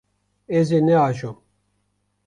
Ez ê neajom.